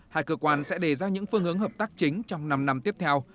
hai cơ quan sẽ đề ra những phương hướng hợp tác chính trong năm năm tiếp theo